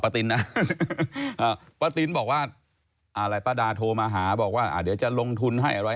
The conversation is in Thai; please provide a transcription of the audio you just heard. ป้าตินบอกว่าอะไรป้าดาโทรมาหาบอกว่าเดี๋ยวจะลงทุนให้อะไร